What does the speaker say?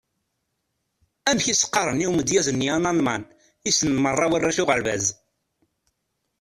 Amek i s-qqaren i umedyaz-nni analman i ssnen merra warrac uɣerbaz?